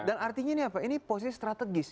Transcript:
dan artinya ini apa ini posisi strategis